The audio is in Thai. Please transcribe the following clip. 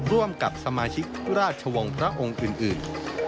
ร่วมกับสมาชิกราชวงศ์พระองค์อื่น